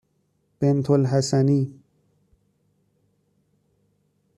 بِنتالحسنی